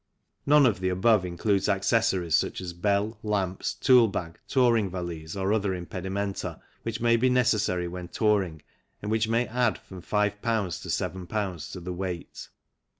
None of the above includes accessories such as bell, lamps, toolbag, touring valise, or other impedimenta which may be necessary when touring, and which may add from 5 Ibs. to 7 Ibs. to the weight.